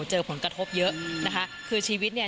เจอผลกระทบเยอะนะคะคือชีวิตเนี่ย